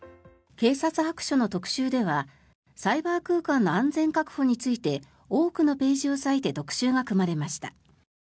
警察白書の特集ではサイバー空間の安全確保について多くのページを割いて特集が組まれました。